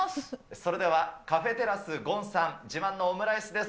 それでは、カフェテラスごんさん、自慢のオムライスです。